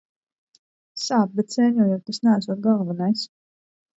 Sāp, bet sēņojot tas neesot galvenais.